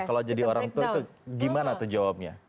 kalau jadi orang tua tuh gimana tuh jawabnya